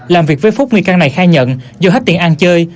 làm việc với phúc nghi can này khai nhận do hết tiền ăn chơi